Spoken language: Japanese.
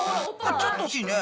ちょっと惜しいね。